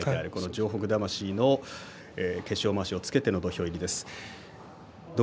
城北魂の化粧まわしをつけての土俵入りです。